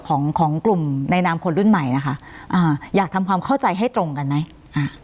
ของของกลุ่มในนามคนรุ่นใหม่นะคะอ่าอยากทำความเข้าใจให้ตรงกันไหมอ่า